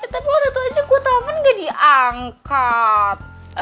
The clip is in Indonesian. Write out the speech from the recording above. tapi waktu itu aja gue tawar gak diangkat